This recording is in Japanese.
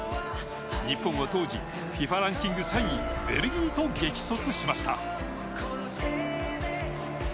日本は当時ＦＩＦＡランキング３位ベルギーと激突しました。